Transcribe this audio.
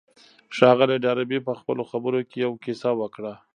ښاغلي ډاربي په خپلو خبرو کې يوه کيسه وکړه.